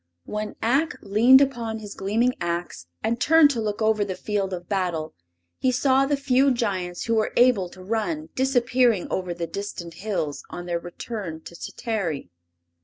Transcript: When Ak leaned upon his gleaming ax and turned to look over the field of battle he saw the few Giants who were able to run disappearing over the distant hills on their return to Tatary.